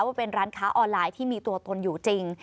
ว่าเป็นร้านค้าออนไลน์ที่มีตัวตนอยู่จริง